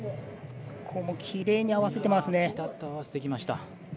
ここもきれいに合わせてきました。